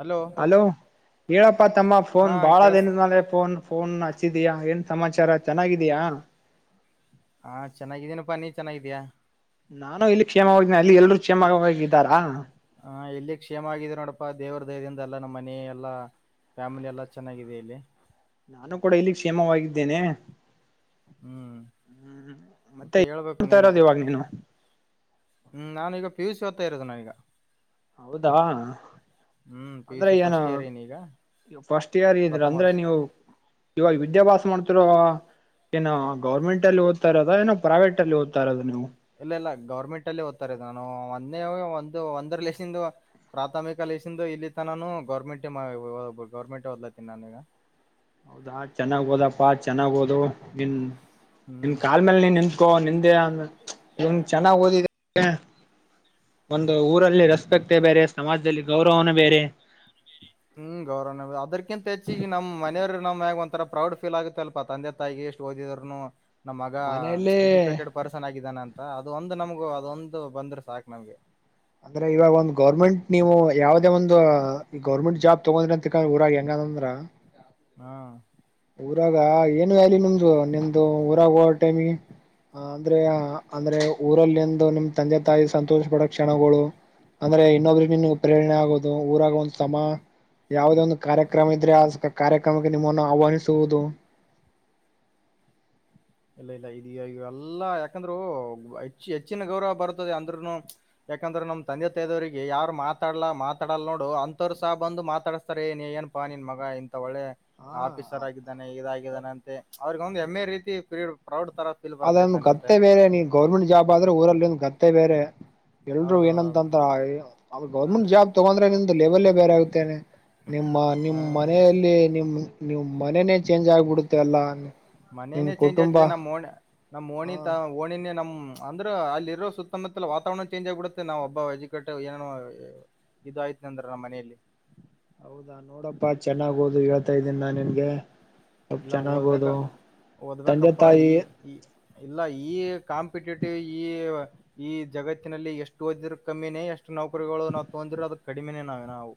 Hello hello ಹೇಳಪ್ಪಾ ತಮ್ಮ ಹಾ ಫೋನ್ ಬಾಳ ಕೇಳಸ್ ದನದ ಮೆ ಫೋನ್ ಫೋನ್ ಹಚ್ಚಿದಯಾ ಏನ್ ಸಮಾಚಾರ ಚೆನ್ನಾಗಿದಯ ಹಾ ಚೆನ್ನಾಗಿದೀನಪ್ಪ ನೀ ಚೆನ್ನಾಗಿದ್ಯಾಾ ನಾನು ಇಲ್ಲಿ ಕ್ಷೇಮ ಹೋಗಿದ್ದನ ಅಲ್ಲಿ ಎಲ್ಲರೂ ಕ್ಷೇಮವಾಗಿ ಹೋಗಿದ್ದಾರಾ ಹಾ ಎಲ್ಲಿ ಕ್ಷೇಮ ಆಗಿದೆ ನೋಡಪ್ಪ ದೇವ್ರ ದೈಹದಿಂದ ಎಲ್ಲಾ ನಮ್ಮ ಮನೆ ಎಲ್ಲಾ ಫ್ಯಾಮಿಲಿ ಎಲ್ಲ ಚೆನ್ನಾಗಿದೆ ಇಲ್ಲಿ ನಾನು ಕೂಡ ಇಲ್ಲಿ ಕ್ಷೇಮವಾಗಿದ್ದೇನೆ ಹ್ಮ್ ಮತ್ತೆ ಹೇಳ್ಬೇಕು ನೋಡ್ತಾ ನೀನೆ ಇರೋದು ಇವಾಗ ನೀನು ಹ್ಮ್ ನಾನೀಗ ಪಿಯುಷ್ ಓದ [unintelligible] ಅತ್ತ ಇರೋದನ ಈಗ ಹೌದಾ ಹ್ಮ್ ಪಿ ಯು ಅಂದ್ರೆ ಸಿ ಏನು ಫಸ್ಟ್ ಇಯರ್ ಏನ ಈಗ ಫಸ್ಟ್ ಇಯರ್ ಇದ್ರ ಪ್ರಥಮ ಅಂದ್ರೆ ವರ್ಷ ನೀವು ಇವಾಗ ವಿದ್ಯಾಭ್ಯಾಸ ಮಾಡ್ತಿರ ಏನೋ ಗೌರ್ಮೆಂಟ್ ಅಲ್ಲಿ ಓದ್ತಾ ಇರೋದ ಏನೋ ಪ್ರೈವೇಟ್ ಅಲ್ಲಿ ಓದ್ತಾ ಇರೋದ ನೀವು ಇಲ್ಲ ಇಲ್ಲ ಗೌರ್ಮೆಂಟ್ ಅಲ್ಲಿ ಓದ್ತಾರೆ ನಾನು ಒಂದೇ ಒಂದು ಒಂದರ ಲಸಂದು ಪ್ರಾಥಮಿಕ ಇಲ್ಲಿ ತಾನು ಗೌರ್ಮೆಂಟ ಗೌರ್ಮೆಂಟ್ ಓದ್ಲಾತನಿ ನಾನೀಗ [unintelligible] ಹೌದಾ ಚೆನ್ನಾಗ್ ಹೋದಪ್ಪಾ ಚೆನ್ನಾಗ್ ಹಓದು ನಿನ್ ಹ್ಮ್ ನಿನ್ ಕಾಲ್ ಮೇಲ್ ನೀನ್ ನಿನ್ ಕೋ ನಿಂದೆ ಆ ನಿನ್ ಚೆನ್ನಾಗ್ ಓದಿದ್ದ [unintelligible] [inaudible] ಒಂದು ಊರಲ್ಲಿ ರೆಸ್ಪೆಕ್ಟ ಬೇರೆ ಸಮಾಜದಲ್ಲಿ ಗೌರವನ ಬೇರೆ ಹ್ಮ್ ಗೌರವ ಅದಕಿಂತ ಹೆಚ್ಚ ಈ ನಮ್ಮ ಮನೆಯವರು ನಮ್್ಯಗ್ ಒಂರ ಪ್ರೌಡ್ ಫೀಲ್ ಆಗುತ್ತೆಲ್ಪ ತಂದೆ ತಾಯಿಗೆ ಎಷ್ಟ ಓದಿದ್ರುನು ನಮ್ಮ ಮಗ ಮನೆಯಲ್ಲೇ ಎಜುಕೇಟೆಡ್ ಪರ್ಸನ್ ಆಗಿದ್ದಾನ ಅಂತ ಮ ಅದ ಒಂದು ನಮ್ಗು ಅದೊಂದು ಬಂದ್ರೆ ಸಾಕು ನಮ್ಗೆ ಅಂದ್ರೆ ಇವಾಗ ಒಂದ್ ಗೌರ್ಮೆಂಟ್ ನೀವು ಯಾವದೇ ಒಂದು ಈ ಗೌರ್ಮೆಂಟ್ ಜಾಬ್ ತಗೊಂಡ್ರೆ ಅಂತಕೊಂಡ ಇಊರಾಗ ಹೆಂಗ ಂದ್ರ ಹಾ ಊರಾಗ ಏನು ಅ್ಯಲ ನಿಮ್ದು ನಿಮ್ದು ಊರಾಗ ಹೋ ಟೈಮಿಗೆ ಅಂದ್ರೆ ಅಂದ್ರೆ ಊರಲ್ಲಿಂದು ನಿಮ್ ತಂದೆ ತಾಯಿ ಸಂತೋಷ ಪಡೋ ಕ್ಷಣಗಳು ಅಂದ್ರೆ ಇನ್ನೊಬ್ರಿಗೆ ನೀನ್ ಪ್ರೇರಣೆ ಆಗೋದು ಊರಾಗ ಒಂದು ತ ಯಾವವುದೇ ಒಂದು ಕಾರ್ಯಕ್ರಮ ಇದ್ರೆ ಕಾರ್ಯಕ್ರಮಕ್ಕೆ ನಿಮ್ಮನ್ನು ಆಹ್ವಾನಿಸ ತೂದು ಇದಗ ಎಲ್ಲಾ ಯಾಕಂದ್ರೆ ಹೆ ಹೆಚ್ಚಿನ ಗೌರವ ಬರ್ತದೆ ಅಂದ್ರುನು ಯಾಕಂದ್ರ ನ ತಂದೆ ತಾಯದವರಿಗೆ ಯಾರು ಮಾತಾಡಾ ಮಾತಾಡಲ್ ನೋಡು ಅಂತಥವರು ಸಹ ಬಂದು ಮಾತಾಡಸ್ತಾರೆ ಏ ನೀ ಏನಪಾ ನಿನ್ ಮಗ ಇಂತ ಒಳ್ಳೆ ಹಾ ಆಫೀಸರ್ ಆಗಿದ್ದಾನೆ ಇದಾಗಿದ್ದಾನೆ ಅಂತೆ ಅವ್ರಗ ಒಂದು ಎ್ ಎ ರೀತಿ ಪ್ರೌಡ್ ತರ ಫೀಲ್ ಬರುತ್ತೆ ಅದೊಂದ ತಂದೆ ಗತ್ತೆ ತಾಯರಿಗೆ ಬೇರೆ ನೀ ಗೌರ್ಮೆಂಟ್ ಜಾಬ್ ಆದ್ರೆ ಊರಲ್ಲಿ ಒಂದು ಗತ್ತೆ ಬೇರೆ ಎಲ್ರು ಹೌದೌದೌದು ಏನಂತಂತ ಗೌರ್ಮೆಂಟ್ ಜಾಬ್ ತಗೊಂಡ್ರೆ ನಿಮ್ದ ಲೆವೆಲ್ಲೇ ಬೇರೆ ಆಗುತ್ತೇನೆ ನಿಮ್ಮ ನಿಮ್ಮ ಮನೆಯಲ್ಲಿ ನಿಮ್ ನೀವು ಮನೇನೇ ಚೇಂಜ್ ಆಗ್ಬಿಡುತ್ತೆ ಅಲ್ಲ ನಿಮ್ ಮನೇನೇ ಚೇಂಜ್ ಕುಟುಂಬ ಆಗ್ತಿದೆ ನಮ್ಮ ಓಣಿ ನಮ್ ಹಾ ಓಣಿ ತ ಓಣಿನೇ ನಮ ಅಂದ್ರ ಅಲ್ಲಿರೋ ಸುತ್ತಮುತ್ತಲ ವಾತಾವರಣ ಚೇಂಜ್ ಆಗ್ಬಿಡುತ್ತೆ ನಾವ್ ಒಬ್ಬ ವಜಿಕಟ್ಟ ಏನ ಇದು ಆಯ್ತ ಅಂದ್ರ ನಮ್ಮ ಮನೆಯಲ್ಲಿ ಹೌದಾ ನೋಡಪ್ಪಾ ಚೆನ್ನಾಗ್ದು ಇವತ್ತ ದಿನ ನಿನ್ಗೆ ಸ್ವಲ್ಪ ಇಲ್ಲ ಚೆನ್ನಾಗ್ ಓದ್ಬೇಕ ಓದು ತಂದೆ ಓದ್ಬೇಕಪ್ಪಾ ಈ ತಾಯಿ ಈ ಇಲ್ಲ ಈ ಕಾಂಪಿಟೇಟಿವ್ ಈ ಈ ಜಗತ್ತಿನಲ್ಲಿ ಎಷ್ಟು ಹೊದ ಕಮ್ಮಿನೇ ಎಷ್ಟು ನೌಕರಿಗಳು ನಾವು ತೊ ಅಂದರ ಅದು ಕಡಿಮೆನೇ ನಾವೇ ನಾವು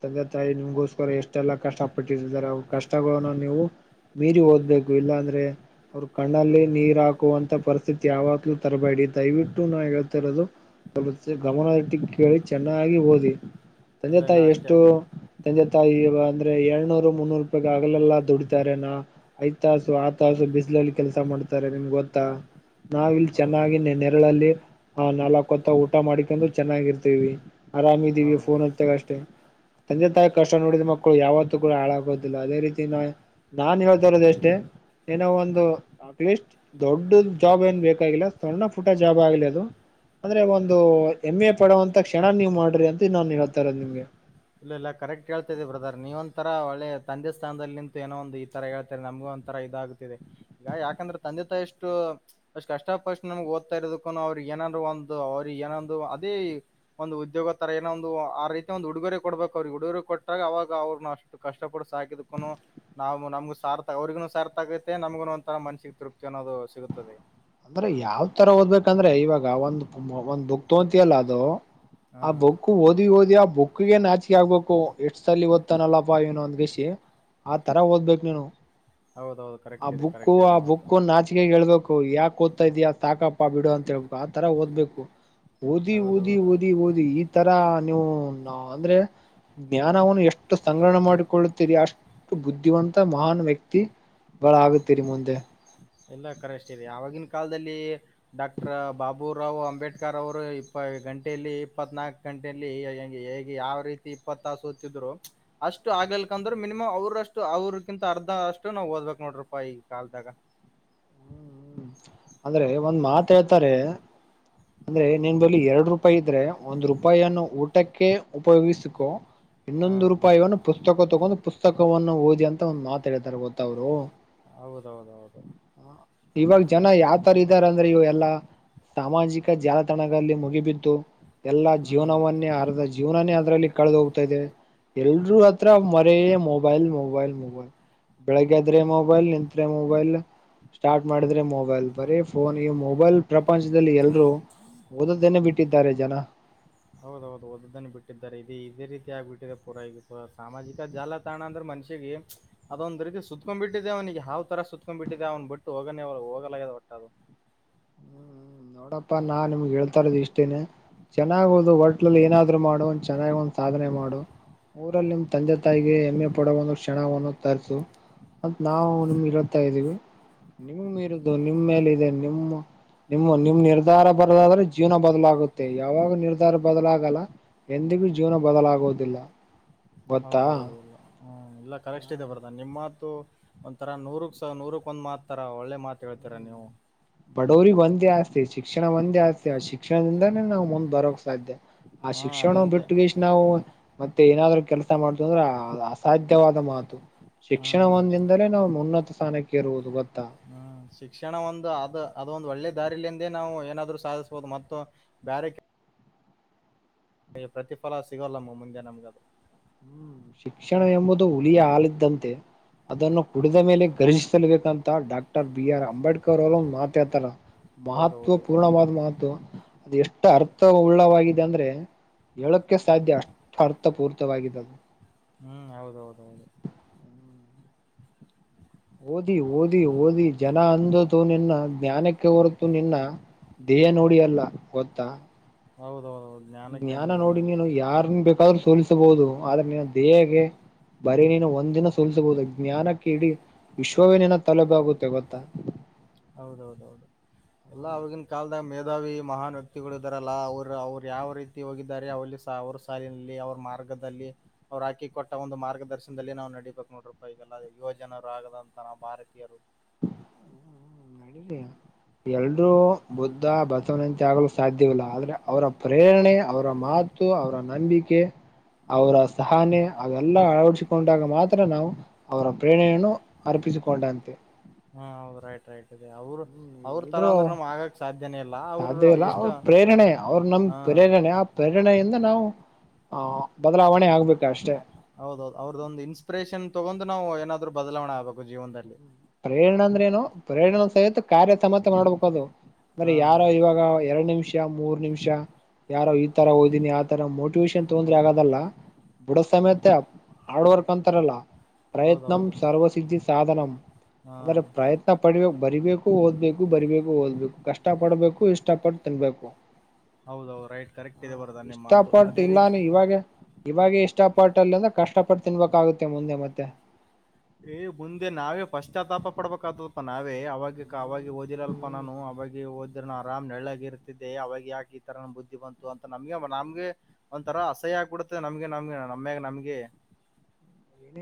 ತಂದೆ ತಾಯಿ ನಿಮ್ಗೋಸ್ಕರ ಎಷ್ಟೆಲ್ಲಾ ಕಷ್ಟಪಟ್ಟಿರ್ದ್ದಾರೆ ಅವ ಕಷ್ಟಗಳನ್ನು ನೀವು ಮೀರಿ ಓದ್ಬೇಕು ಇಲ್ಲಾಂದ್ರೆ ಅವ್ರ ಕಣ್ಣಲ್ಲಿ ನೀರ್ ಹಾಕುವಂತ ಪರಿಸ್ಥಿತಿ ಯಾವಾಗ್ಲೂ ತರಬೇಡಿ ದಯವಿಟ್ಟು ನಾ ಹೇಳ್ತಿರೋದು ಗಮನಟ್ಟು ಕೇಳಿ ಚೆನ್ನಾಗಿ ಓದಿ ಸಂಜೆ ಇಲ್ಲ ಇಲ್ಲ ತಾಯಿ ಅಷ್ಟೇ ಎಷ್ಟು ತಂದೆತಾಯಿ ಅಂದ್ರೆ ಏಳ್ನೂರು ಮುನ್ನೂರು ರೂಪಾಯ ಆಗಲೆಲ್ಲಾ ದುಡಿತಾರೆ ನಾ ಐ ತಾಸು ಆ ತಾಸು ಬಿಸಿಲಲ್ಲಿ ಕೆಲಸ ಮಾಡ್ತಾರೆ ನಿಮ್ಗೆ ಗೊತ್ತಾ ನಾವಿಲ್ಲಿ ಹೌದು ಚೆನ್ನಾಗಿ ನೆರಳಲ್ಲಿ ಆ ನಾಲ್ಕು ಹೊತ್ತ ಊಟ ಮಾಡಿಕೊಂಡು ಚೆನ್ನಾಗಿರ್ತೀವಿ ಆರಾಮ ಇದೀವಿ ಫೋನ್ ಹೌದು ಹತಕ್ಕ ಅಷ್ಟೆ ತಂದೆ ತಾಯಿ ಕಷ್ಟ ನೋಡಿದ ಮಕ್ಕಳು ಯಾವತ್ತೂ ಕೂಡ ಹಾಳಾಗೋದಿಲ್ಲ ಅದೇ ರೀತಿ ನ ನಾನ್ ಹೇಳ್ತಾರೋದ ಅಷ್ಟೇ ಏನೋ ಒಂದು ಅಟ್ಲೀಸ್ಟ್ ದೊಡ್ಡ ಜಾಬ್ ಏನ್ ಬೇಕಾಗಿಲ್ಲ ಸಣ್ಣ ಪುಟ ಜಾಬ್ ಆಗ್ಲಿ ಅದು ಅಂದ್ರೆ ಒಂದು ಎಮ್ ಎ ಪಡೋಂತ ಕ್ಷಣ ನೀವ್ ಮಾಡ್ರಿ ಅಂತ ಇನ್ನನ್ ಹೇಳ್ತಾರ ನಿಮ್ಗೆ ಇಲ್ಲ ಇಲ್ಲ ಕರೆಕ್ಟ್ ಕೇಳ್ತಿದಿ ಬ್ರದರ್ ನೀವ ಒಂಂತರ ಒಳ್ಳೆ ತಂದೆ ಸ್ಥಾನದಲ್ಲಿ ನಿಂತು ಏನೋ ಒಂದು ಈ ತರ ಹೇಳ್ತಾರೆ ನಮ್ಗೆ ಒಂತರ ಇದಾಗತಿದೆ ಈಗ ಯಾಕಂದ್ರೆ ತಂದೆ ತಾಯ ಎಷ್ಟು ಅಷ್ಟ್ ಕಷ್ಟ ಪಷ್ಟ್ ನಮ್ಗೆ ಓದ್ತಾ ಇರದಕ್ಕ ಅವ್ರಿಗೆ ಏನಾರರು ಒಂದು ಅವ್ರರು ಏನೊಂದು ಅದೇ ಒಂದು ಉದ್ಯೋಗ ತರ ಏನೊಂದು ಆ ರೀತಿ ಒಂದು ಉಡುಗೊರೆ ಕೊಡ್ಬೇಕು ಅವ್ರಿಗೆ ಉಡುಗರು ಕೊಟ್ಟಾಗ ಅವರು ಇಾಗ ಅವ್ರನು ಅಷ್ಟು ಕಷ್ಟಪಡ ಸಾಕಿದ್ಕುನು ನಾವು ನಮ್ಗ ಸಾರ್ಥ ಅವ್ರಿಗ ಸಾರ್ಥ ಆಗೈತೆ ನಮಗ ಒರ ಮನಸಿಗೆ ತೃಪ್ತಿ ಅನ್ನೋದು ಸಿಗದೆ ಅಂದ್ರೆ ಯಾವ್ ತರ ಓದ್ಬೇಕಂದ್ರೆ ಇವಾಗ ಒಂದ್ ಒಂದ್ ಬುಕ್ ತಗಂತಿಯಲ್ಲ ಅದು ಹಾ ಆ ಬೊಕು ಓದಿ ದಿ ಬುಕ್ ಗೆ ನಾಚಿಕೆ ಆಗ್ಬೇಕು ಎಷ್ಟು ಸಲ್ಲಿ ಓದ್ತ್ತನಲ್ಲಪ್ಪ ಏನ ಒಂದ್ ಷಿ ಆ ತರ ಓದ್ಬೇಕ ನೀನು ಹೌದೌದು ಆ ಕರೆಕ್ಟ್ ಇದೆ ಬುಕ್ಕು ಕರೆಕ್ಟ್ ಇದೆ ಆ ಮಾತು ಬುಕ್ಕು ನಾಚಿಕೆ ಹೇಳ್ಬೇಕು ಯಾಕ ಒತ್ತ ಇದಯ ಸಾಕಪ್ಪ ಬಿಡು ಅಂತ ಹೇಳ್ಬೇಕು ಆತರ ಓದ್ಬೇಕು ಓದಿ ಓದಿ ಹೌದೌದು ಓದಿ ಓದಿ ಈ ತರ ನೀವು ಅಂದ್ರೆ ಜ್ಞಾನವನ್ನು ಎಷ್ಟು ಸಂಗ್ರಹಣ ಮಾಡಿಕೊಳ್ಳುತ್ತೀರಿ ಅಷ್ಟು ಬುದ್ಧಿವಂತ ಮಹಾನ್ ವ್ಯಕ್ತಿ ಬಾಳ ಆಗತ್ತೀರಿ ಮುಂದೆ ಎಲ್ಲ ಕರೆಷ್ಟಿದೆ ಆವಾಗಿನ ಕಾಲದಲ್ಲಿ ಡಾಕ್ಟರ್ ಬಾಬುರಾವ್ ಅಂಬೇಡ್ಕರ್ ಅವರು ಇಪ್ಪ ಗಂಟೆಯಲ್ಲಿ ಇಪ್ಪತ್ನಾಲ್ಕು ಗಂಟೆಯಲ್ಲಿಗೆ ಹೇಗೆ ಯಾವ ರೀತಿ ಇಪ್ಪತ್ತ ಸತಿದ್ರು ಅಷ್ಟು ಆಗಲ್ಕ ಅಂದ್ರೆ ಮಿನಿಮಮ್ ಅವ್ರಷ್ಟು ಅವ್ರಗಿಂತ ಅರ್ಧಷ್ಟ ನಾವು ಓದ್ಬೇಕಕ್ ನೋ್ರ ರೂಪಾಯಿ ಈ ಕಾಲದಾಗ ಹ್ಮ್ ಅಂದ್ರೆ ಒಂದ್ ಮಾತ್ ಹೇಳ್ತಾರೆ ಅಂದ್ರೆ ನಿನ್ ಬಳಿ ಎರಡ್ ರೂಪಾಯಿ ಇದ್ರೆ ಒಂದ್ ರೂಪಾಯಿಯನ್ನು ಊಟಕ್ಕೆ ಉಪಯೋಗಿಸಕು ಹಾ ಇನ್ನೊಂದು ರೂಪಾಯಿಯನ್ನ ಪುಸ್ತಕ ತಕೊಂಡು ಪುಸ್ತಕವನ್ನು ಓದಿ ಅಂತ ಒಂದ್ ಮಾತ ಹೇಳ್ತಾರೆ ಗೊತ್ತವ್ರು ಹೌದೌದೌದುೌ ಯಾವ್ತರ ಇದ್ದಾರೆ ಅಂದ್ರೆ ಇವು ಎಲ್ಲಾ ಸಾಮಾಜಿಕ ಜಾಲತಾಣಗಳಲ್ಲಿ ಮುಗಿಬು ಎಲ್ಲಾ ಹ್ಮ್ ಜೀವನವನ್ನೇ ಅರ್ಧ ಜೀವನನೇ ಅ ಲ್ಲಿ ಕಳೆದ ಹೋಗ್ತಾದೆ ಎಲ್ರೂ ಹತ್ರ ಮರೆಯೇ ಮೊಬೈಲ್ ಮೊಬೈಲ್ ಮೊಬೈಲ್ ಬೆಳಿಗ್ಗೆದ್ರೆ ಮೊಬೈಲ್ ನಿತ್್ರೆ ಮೊಬೈಲ್ ಸ್ಟಾರ್ಟ್ ಮಾಡಿದ್ರೆ ಮೊಬೈಲ್ ಮೊಬೈಲ್ ಬರೀ ಫೋನ್ ಈ ಮೊಬೈಲ್ ಪ್ರಪಂಚದಲ್ಲಿ ಎಲ್ರೂ ಓದದೇನೆ ಬಿಟ್ಟಿದ್ದಾರೆ ಜನ ಹೌದ ಹೌದು ಓದ್ದನ್ನ ಬಿಟ್ಟಿದ್ದಾರೆ ಇದು ಇದೇ ರೀತಿ ಆಗ್ಬಿಟ್ಟಿದೆ ಪೂರಗೂ ಸಾಮಾಜಿಕ ಜಾಲತಾಣ ಅಂದ್ರೆ ಮನುಷಿಗೆ ಅದೊಂದ ರೀತಿ ಸತ್ಕೊಂಡ್ಬಿಟ್ಟಿದೆ ಅವನಿಗೆ ಹಾವ್ ತರ ಸುತ್ಕೊಂಡ್ ಬಿಟ್ಟಿದೆ ಅವ್ನು ಬಿಟ್ಟು ಹೋಗ ಅವ ಹೋಗ ಒಟ್ಟ ಹ್ಮ್ ನೋಡಪ್ಪಾ ನಾ ನಿಮ್ಗೆ ಹೇಳ್ತಾಾರೋದು ಇಷ್ಟೇನೆ ಚೆನ್ನಾಗುದು ಹೋಟ್ಲಲ್ಲಿ ಏನಾದ್ರು ಮಾಡು ಒ ಚೆನ್ನ ಒ ಸಾಧನೆ ಮಾಡು ಊರಲ್ಲಿ ನಿಮ ತಂದೆ ತಾಯಿಗೆ ಹೆಮ್ಮೆ ಪಡುವ ಒಂದು ಕ್ಷಣವನ್ನು ತರಿಸು ಮತ್ ನಾವು ನಿಮ್ ಇರತಾ ಇದ್ದೀವಿ ನಿಮ್ ಇರುದು ನಿಮ್ಮೇಲೆ ಇದೆ ನಿಮ್ಮ ನಿಮ್ ನಿರ್ಧಾರ ಬರದಾದ್ರೆ ಜೀವನ ಬದಲಾಗುತ್ತೆ ಯಾವಾಗ ನಿರ್ಧಾರ ಬದಲಾಗಲ್ಲ ಎಂದಿಗೂ ಜೀವನ ಬದಲಾಗುವುದಿಲ್ಲ ಹೌದೌದು ಇಲ್ಲ ಹ್ಮ ಇಲ್ಲ ಕರೆಕ್ಟ್ ಹ ಇದೆ ಬರ್ತೆ ನಿಮ್ಮ ಒಂಥರಾ ನೂರಕ್ ಸ ನೂರಕ್ ಒಂದ್ ಮಾತ್ತರ ಒಳ್ಳೆ ಮಾತ ಹೇಳ್ತೀರ ಹ್ಮ್ ನೀವು ಬಡವರಿಗೆ ಒಂದೇ ಆಸ್ತಿ ಶಿಕ್ಷಣ ಒಂದೇ ಆಸ್ತಿ ಶಿಕ್ಷಣದಿಂದಾನೇ ನಾವು ಮುಂದ್ ಬರೋಕ್ ಸಾಧ್ಯ ಆ ಹಾ ಶಿಕ್ಷಣ ಅದೊಂದೇ ಬಿಟ್ಟುಷ್ಟ ನಾವು ಮತ್ತೆ ಏನಾದ್ೂ ಕೆಲಸ ಮಾಡ್ತು ಅಂದ್ರ ಅಸಾಧ್ಯವಾದ ಮಾತು ಶಿಕ್ಷಣ ಹ್ಮ್ ಅಲ್ರಿ ಒಂದಿಂದಲೇ ನಾವು ಉನ್ನತ ಸ್ಥಾನಕ್ಕೆ ಇರುವುದು ಗೊತ್ತ ಹ್ಮ್ ಶಿಕ್ಷಣ ಒಂದು ಆದ ಅದು ಒಂದು ಒಳ್ಳೆ ದಾರಿಲಿಂದೇ ನಾವು ಏನಾದ್ೂ ಸಾಧಿಸ್ಬಹುದು ಮತ್ತು ಬೇರೆ ನಮಗೆ ಪ್ರತಿಫಲ ಸಿಗೋಲ್ಲಮ್ಮ ಮುಂದೆ ನಮಗದು ಹ್ಮ್ ಶಿಕ್ಷಣ ಎಂಬುದು ಹುಳಿಯ ಆಾಲಿದ್ದಂತೆ ಅದನ್ನು ಕುಡಿದ ಮೇಲೆ ಘರ್ಷ್ಬೇಕಂತ ಡಾಕ್ಟರ್ ಬಿ ಆರ್ ಅಂಬೇಡ್ಕರ್ ಅವರು ಮಾತಾಡ್ತಾರ ಮಹತ್ವ ಹೌದೌದು ಪೂರ್ಣವಾದ ಮಹತ್ವ ಅದು ಎಷ್ಟು ಅರ್ಥ ಉಳ್ಳವಾಗಿದೆ ಅಂದ್ರೆ ಹೇಳಕ್ಕೆ ಸಾಧ್ಯ ಅಷ್ಟು ಅರ್ಥ ಪೂರ್ತಿ ವಾಗಿದ್ದದು ಹ್ಮ್ ಹೌದೌದ ಹೌದು ಓದಿ ಓದಿ ಓದಿ ಜನ ಅಂದತು ನಿನ್ನ ಜ್ಞಾನಕ್ಕೆ ಹೊರತು ನಿನ್ನ ದೇಹ ನೋಡಿ ಅಲ್ಲ ಗೊತ್ತಾ ಹೌದೌದೌದು ಜ್ಞಾನಕ್ಕೆ ಜ್ಞಾನ ಅಂಜದ ನೋಡಿ ನಿಮ್ಗೆ ನೀನು ಯಾರ್ನ್ ಬೇಕಾದ್ರೂ ಸೋಲಿಸಬಹುದು ಆದ್ರೆ ನೀನ ದೇಹಗೆ ಬರೀ ನೀನು ಒಂದಿನ ಸುಲ್ಸಬಹುದು ಜ್ಞಾನಕ್ಕೆ ಇಡೀ ವಿಶ್ವವೇನೇನ ತಲೆಬ ಆಗುತ್ತೆ ಗೊತ್ತಾ ಹೌದೌದೌದು ಎಲ್ಲಾ ಅವವಾಗಿನ್ ಕಾಲಲ್ದ ಮೇಧಾವಿ ಮಹಾನ್ ವ್ಯಕ್ತಿಗಳು ಇದಾರಲ್ಲ ಅವರು ಅವ್ರು ಯಾವ ರೀತಿ ಹೋಗಿದ್ದಾರೆ ಅವಲ್ಲಿ ಅವ್ರ ಸಾಲಿನಲ್ಲಿ ಅವ್ರ ಮಾರ್ಗದಲ್ಲಿ ಅವ್ರು ಹಾಕಿ ಕೊಟ್ಟ ಒಂದು ಮಾರ್ಗದರ್ಶನದಲ್ಲಿ ನಾವು ನಡೀಬೇಕಕ್ ನೋಡ್ರಪ್ಪ ಈಗ ಎಲ್ಲ ಯುವಜನರು ಆಗದಂತ ನ ಭಾರತೀಯರು ಮಾಡಡಯ ಎಲ್ರೂ ಬುದ್ಧ ಬಸವನಂತೆ ಆಗಲು ಸಾಧ್ಯವಿಲ್ಲ ಆದ್ರೆ ಅವರ ಪ್ರೇರಣೆ ಅವರ ಮಾತು ಅವರ ನಂಬಿಕೆ ಅವರ ಸಹನೆ ಅವೆಲ್ಲ ಅಳವಡಿಸಿಕೊಂಡಾಗ ಮಾತ್ರ ನಾವು ಅವರ ಪ್ರೇರಣೆಯನ್ನು ಅರ್ಪ ಕಪ್ಪಿಸಿಕೊಂಡಂತೆ ಹಾ ಹೌದು ರೈಟ್ ರೈಟ್ ಅದೆ ಅವರು ಅವ್ರ ತರ ಎಲ್ರೂ ಅಂದ್ರೆ ನಮ್ ಆಗಕ್ ಸಾಧ್ಯನೇ ಇಲ್ಲ ಅವರು ಸಾಧ್ಯವಲ್ಲ ಎಷ್ಟ ಅವ್ರ ಪ್ರೇರಣೆ ಅವ್ರ ನಮ ಹಾ ಪ್ರೇರಣೆ ಆ ಪ್ರೇರಣ ನಾವು ಆಹ ಬದಲಾವಣೆ ಆಗ್ಬೇಕ ಅಷ್ಟೆ ಹೌದೌದು ಅವ್ರದೊಂದು ಇನ್ಸ್ಪಿರೇಷನ್ ತಗೊಂಡು ನಾವು ಏನಾದ್ರು ಬದಲಾವಣೆ ಆಗ್ಬೇಕು ಜೀವನದಲ್ಲಿ ಪ್ರೇರಣ ಅಂದ್ರೇನು ಪ್ರೇರಣ ಸಹತ ಕಾರ್ಯ ಸಮತ ಮಾಡ್ಬೇಕು ಅದು ಹಾ ಯಾರೋ ಇವಾಗ ಎರಡು ನಿಮಿಷ ಮೂರ್ ನಿಮಿಷ ಯಾರೋ ಈ ತರ ಓದಿನನಿ ಆ ತರ ಮೋಟಿವೇಶನ್ ತೊಂದ್ರೆ ಆಗದಲ್ಲ ಬೂಡೋ ಸಮಯತ ಹಾರ್ಡ್ ವರ್ಕ್ ಅಂತಾರಲ್ಲ ಪ್ರಯತ್ನಂ ಹೌದೌದು ಸರ್ವಸಿದ್ಧಿ ಸಾಧನಂ ಹಾ ಅಂದ್ರೆ ಪ್ರಯತ್ನ ಪಡಿಬೇಕ ಬರಿಬೇಕು ಓದ್ಬೇಕು ಬರಿಬೇಕು ಓದ್ಬೇಕು ಕಷ್ಟ ಪಡ್ಬೇಕು ಇಷ್ಟಪಟ್ಟು ತಿನ್ಬೇಕು ಹೌದೌದು ರೈಟ್ ಕರೆಕ್ಟ್ ಹ ಇದೆ ಬರದ ನಿಮ್ಮ ಮಾತು ಅದೇ ರೀತಿ ಇವಾಗ ಇಷ್ಟಪಟ್ಟಲ್ಲಿ ಅಂದ್ರೆ ಕಷ್ಟಪಟ್ಟ ತಿನ್ಬೇಕಾಗುತ್ತೆ ಮುಂದೆ ಮತ್ತೆ ಏ ಮುಂದೆ ನಾವೇ ಫಸ್ಟ್ ಆತಾಪ ಪಡ್ಬೇಕಾಗ್ತದಪ್ಪ ನಾವೇ ಅವಾಗ ಅವಾಗ ಓದಿರಲ್ನಾನು ಅವ ಗೆ ಓದ ಆರಾಮ್ ನಳ್ಳಗ ಇರ್ತಿದ್ದೆ ಅವಾಗ ಯಾಕೆ ಈ ತರ ಬುದ್ಧಿ ಬಂತು ಅಂತ ನಮಗೆ ನಮ್ಗೆ ಒಂಥರ ಅಸಹ್ಯ ಆಗಿಬಿಡುತ್ತೆ ನಮ್ಗೆ ನಮ್ಗೆ ನಮ್ಯಾಗ ನಮ್ಗೆ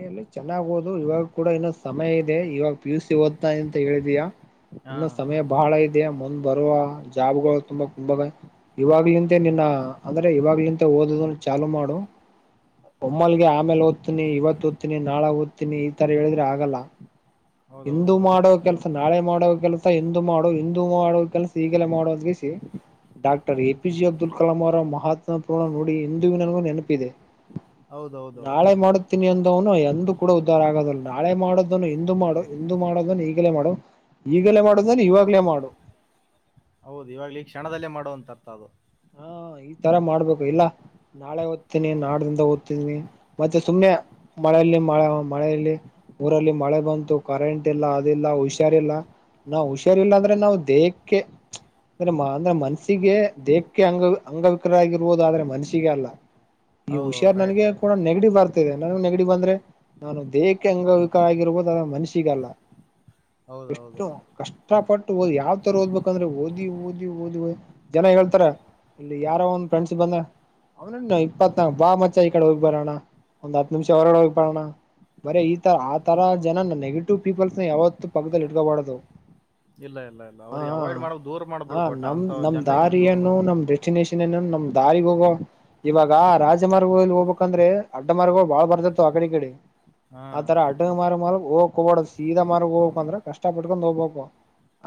ಏನಲ್ಲಿ ಚೆನ್ನಾಗಹುದು ಇವಾಗ ಕೂಡ ಇನ್ನೊಂದು ಸಮಯ ಇದೆ ಇವಾಗ ಪಿಯ ಯು ಓದ್ತಾ ಅಂತ ಹೇಳಿದಯಾ ಹಾ ಇನ್ನು ಸಮಯ ಬಹಳ ಮುಂದ್ ಬರುವ ಜಾಬ್ಗಳು ತುಂಬಾ ತುಂಬ ಇವಾಗ್ಲಿಂದ ನಿನ್ನ ಅಂದ್ರೆ ಇವಾಗ್ಲ ಓದದ ಚಾಲು ಮಾಡು ಒಮ್ಮಲ್ಗೆ ಆಮೇಲೆ ಓದ್ತೀನಿ ಇವತ್ತು ಓದ್ತನಿ ನಾಳೆ ಓದ್ತೀನಿ ಈ ತರ ಹೇಳಿದ್ರೆ ಆಗಲ್ಲ ಹೌದೌದು ಇಂದು ಬ್ರದರ್ ಮಾಡೋ ಹೌದು ಕೆಲ್ಸ ನಾಳೆ ಮಾಡೋ ಕೆಲ್ಸ ಎ ಮಾಡು ಹಿಂದ ಮಾಡುವ ಕೆಲಸ ಈಗಲ್ಲ ಮಾಡೋದ್ಗೆಸಿ doctor A P J Abdul Kalam ಅವರ ಮಹಾತ್ಮ [unintelligible] ನೆನಪಿದೆ ಹೌದೌದೌದು ನಾಳೆ ಮಾಡುತ್ತೀನಿ ಅಂದವನು ಎಂದು ಕೂಡ ಉದ್ಧಾರ ಆಗೋದಿಲ್ಲ. ನಾಳೆ ಮಾಡೋದನ್ನು ಇಂದು ಮಾಡು ಎಂದು ಮಾಡದನ್ನು ಈಗಲೇ ಮಾಡು ಈಗಲೇ ಮಾಡೋದನ್ನ ಇವಾಗ್ಲೇ ಮಾಡು ಹೌದು ಇವಾಗ ಈ ಕ್ಷಣದಲ್ಲೇ ಮಾಡು ಅಂತ ಅರ್ಥ ಅದು ಹಾ ಈ ತರ ಮಾಡ್ಬೇಕು ಇಲ್ಲ ನಾಳೆ ಓದ್ತೀನಿ ನಾಡ ದಿಂದ ಓದ್ತಿದೀನಿ ಮತ್ತೆ ಸುಮ್ನೆ ಮಳೆಯಲ್ಲಿ ಮಳೆ ಮಳೆಯಲ್ಲಿ ಊರಲ್ಲಿ ಮಳೆ ಬಂತು ಕರೆಂಟ್ ಇಲ್ಲ ಅದಿಲ್ಲ ಹುಷಾರಿಲ್ಲ ನಾವ್ ಹುಷಾರಿಲ್ಲಾ ಅಂದ್ರೆ ನಾವು ದೇಹಕ್ಕೆ ಅಂದ್ರೆ [unintelligible] ಮನಸ್ಸಿಗೆ [inaudible] ಅಂಗ ಅಂಗವಿಕ್ರ ಆಗರುವುದು ಆದ್ರೆ ಮನಸಿಗೆ ಅಲ್ಲ ಈ ಹೌದೌದು ಹುಷಾರಾರ್ ರೈಟ್ ನನಗೆ ರೈಟ್ ಕೂಡ ನೆಗಟಿವ್ ಬರ್ತದೆ [unintelligible] ನನಗೂ ನೆಗಡಿ ಬಂದ್ರೆ ನಾನು ದೇಹಕ್ಕೆ ಅಂಗವಿಕಲ ಆಗಿರಬಹುದು. ಮನಸಿಗಲ್ಲ ಹೌದೌದು ಎಷ್ಟೂ ಕಷ್ಟ ಕಷ್ಟಪಟ್ಟುಓದಿ ಯಾವ್ ತರ ಓದ್ಬೇಕಂದ್ರೆ ಓದಿ ಓದಿ ಓದಿ ಓದಿ ಜನ ಹೇಳ್ತಾರ ಇಲ್ಲಿ ಯಾರೋ ಒಂದ ಫ್ರೆಂಡ್ಸ್ ಬಂದ್ರ ಅವನೇನು ಇಪ್ಪತ್ನಾಕ ಬಾ ಮಚ್ಚ ಈ ಕಡೆ ಹೋಗ್ ಬರೋಣ ಒಂದ್ ಹತ್ ನಿಮಿಷ ಹೊರಗಡೆ ಹೋಗ್ ಬರೋಣ ಬರೇ ಈ ತರ ಆ ತರ ಜನ ನೆಗೆಟಿವ್ ಪೀಪಲ್ಸ್ ನ ಯಾವತ್ತು ಪಕ್ಕದಲ್ಲಿ ಇಟ್ಕೋಬಾರದು ಇಲ್ಲ ಇಲ್ಲ ಇಲ್ಲ ಅವ್ರಿಗೆ ಅವಾಯ್ಡ್ ಮಾಡ ದೂರ ಹಾ ಮಾಡ್ಬೇಡ್ ಕೊಟ್ಟ ಅಂತ ಜನ್ರ ದೂರ ಮಾಡ್ಬೇಕು. ರಾಮೇಶನ್ನ ನಮ್ ದಾರಿಗೆ ಹೋಗು -ಮಿ- ಇವಾಗ ರಾಜಮಾರ್ಗದಲ್ಲಿ ಹೋಗ್ಬೇಕಂದ್ರೆ ಅಡ್ಡಮಾರ್ಗವ ಬಾಳ ಬರ ತೀರ ಆಕಡೆ ಈಕಡೆ. ಹಾ ಆತರ ಅಡ್ಡ ಮಾರ್ ಮಾರ್ಗ್ ಹೋಗಾ ಕೆ ಹೋಗಬಾರದು ಅಂದ್ರೆ ಸೀದಾ ಮಾರ್ಗ್ ಹೋಗ್ ಬೇಕು ಅಂದ್ರ ಕಷ್ಟ ಪಟ್ಕೊಂಡ್ ಹೋಗ್ಬಬೇಕು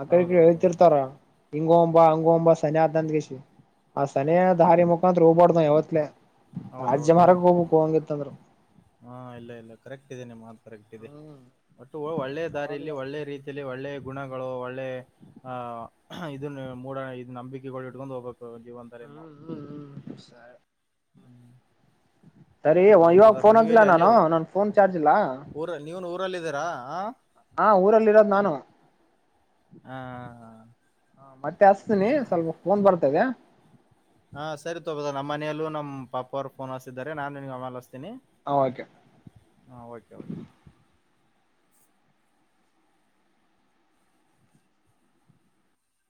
ಆಕಡೆ ಈ ಕಡೆ ಹೌದೌದೌದು ಹೇಳ್ತಿರ್ತಾರ ಹಂಗ ಹೋಗೋಣ ಬಾ ಹಿಂಗ ಹೋಗೋಣ ಬಾ ಸನಿ ಅಗತೇತಿ ಅಂದ ಕ್ಯಾಶಿ. ಆ ಸನಯ ದಾರಿ ಮುಖಾಂತರಾ ಹೋಗಬಾರದು ಯಾವತ್ಲೆ ಹೌದ ರಾಜ್ಯ ಹೌದ ಮಾರ್ಗ ಹೌದು ಹೋಗ್ಬೇಕು ಹಂಗಿತ್ತಂದ್ರ ಹಾ ಇಲ್ಲ ಇಲ್ಲ ಕರೆಕ್ಟ್ ಇದೆ ನಿಮ್ಮ ಮಾತ ಹ್ಮ್ ಒಟ್ಟು ಒಳ್ಳೆ ದಾರಿಯಲ್ಲಿ ಅವಾಗ್ಲೇ ಒಳ್ಳೆ ರೀತಿಯಲ್ಲಿ ಒಳ್ಳೆ ಗುಣ ಒಳ್ಳೆ ಆ ಇದನಾ ಮೂಡ ನಂಬಿಕೆಗಳನ್ನು ಇಟ್ಕೊಂಡು ಹೋಗಬೇಕು ಇ ಜೀವನ್ ತರನ್ನ ಹ್ಮ್ [unintelligible] ಹ್ಮ್ [unintelligible] ಹ್ಮ್ ಸರಿ ಇವಾಗ ಫೋನ್ ಹಚ್ಚಲಾ ನಾನು ನನ್ ಫೋನ್ ಚಾರ್ಜ್ ಇಲ್ಲಾ. ಇದೀರಾ-ರಾ ಹಾ -ಊರಲ್ಲಿರೋದ ನಾನು ಆ -ಹ -ಮತ್ತೆ ಹಚ್ಚತಿನಿ ಸ್ವಲ್ಪ ಫೋನ್ ಬರ್ತಾ ಇದೆ. ಹಾ -ಸರಿ ತಗೋ ನಮ್ಮ ಮನೆಯಲ್ಲೂ ನಮ್ಮ ಪಪ್ಪಾ ಅವ್ರು ಫೋನ್ ಹಚ್ಚ ತಿದರೆ ನಾನು ನಿನಗೆ ಆಮೇಲೆ ಹಚತೇನಿ. ಓಕೆ ತನಿ- ಹ -ಓಕೆ ಓಕೆ